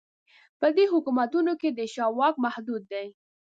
په دې حکومتونو کې د شاه واک محدود دی.